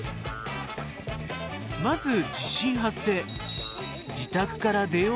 まず地震発生！